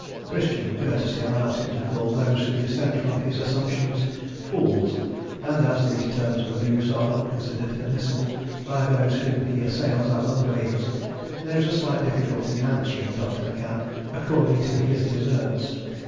Christian courtesy allows him to call those who dissent from his assumptions "fools;" and as these terms of abuse are not considered admissible by those whom he assails as unbelievers, there is a slight difficulty in "answering" Dr. McCann "according to his" deserts.